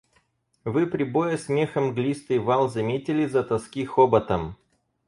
Вы прибоя смеха мглистый вал заметили за тоски хоботом?